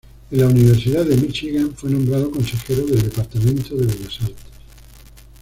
En la Universidad de Michigan fue nombrado consejero del departamento de bellas artes.